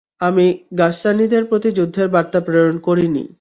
আমি গাসসানীদের প্রতি যুদ্ধের বার্তা প্রেরণ করিনি।